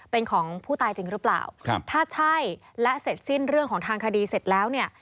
เป็นของผู้ตายจริงหรือเปล่าครับถ้าใช่และเสร็จสิ้นเรื่องของทางคดีเสร็จแล้วเนี่ย